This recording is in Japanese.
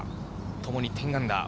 ともに１０アンダー。